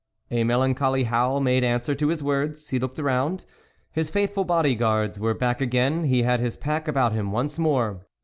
A melancholy howl made answer to his words ; he looked round ; his faithful body guards were back again ; he had his pack about him once more.